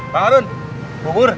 bang harun bukur